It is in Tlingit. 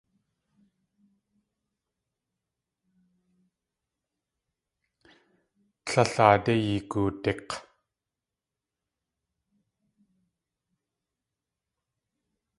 Líl aadé yigoodík̲!